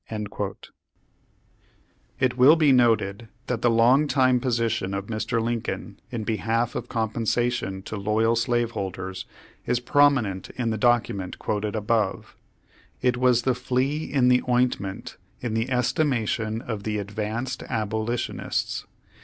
Page Ninety seven It will be noted that the long time position of Mr. Lincoln in behalf of compensation to loyal slaveholders, is prominent in the document quoted above. It was the flea in the ointment in the es timation of the advanced abolitionists.